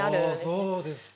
そうですか。